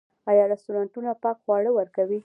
آیا رستورانتونه پاک خواړه ورکوي؟